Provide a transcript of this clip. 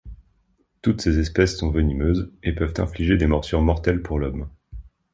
Toutes ces espèces sont venimeuses et peuvent infliger des morsures mortelles pour l'homme.